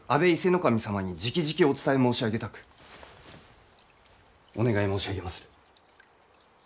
守様にじきじきお伝え申し上げたくお願い申し上げまする。